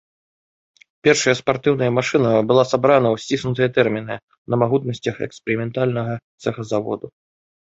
Першая спартыўная машына была сабрана ў сціснутыя тэрміны на магутнасцях эксперыментальнага цэха заводу.